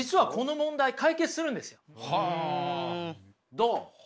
どう？